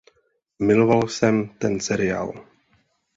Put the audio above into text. Miloval jsem ten seriál.